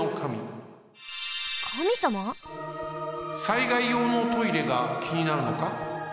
災害用のトイレがきになるのか？